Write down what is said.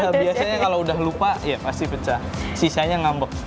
iya biasanya kalau udah lupa ya pasti pecah sisanya ngambek